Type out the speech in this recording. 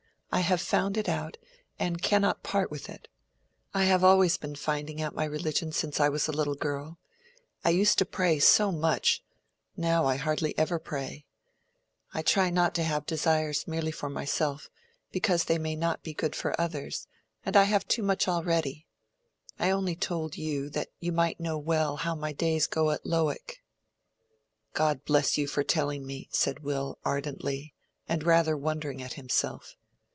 I have found it out, and cannot part with it. I have always been finding out my religion since I was a little girl. I used to pray so much—now I hardly ever pray. I try not to have desires merely for myself, because they may not be good for others, and I have too much already. I only told you, that you might know quite well how my days go at Lowick." "God bless you for telling me!" said Will, ardently, and rather wondering at himself.